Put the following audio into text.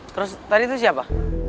terus tadi tuh siapa